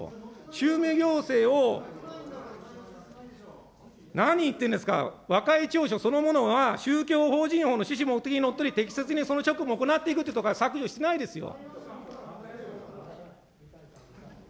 宗務行政を、何言ってるんですか、和解調書そのものが宗教法人法の趣旨目的にのっとり、適切にその職務を行っていくとことか、削除してないですよ。